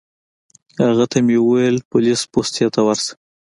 هغه ته مې وویل پولیس پوستې ته ورشه.